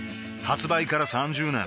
発売から３０年